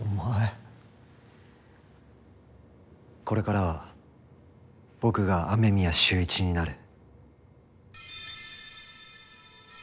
これからは僕が雨宮秀一になる。